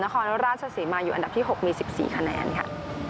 นครราชสีมาอยู่อันดับที่หกมีสิบสี่คะแนนค่ะ